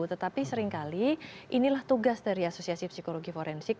tetapi seringkali inilah tugas dari asosiasi psikologi forensik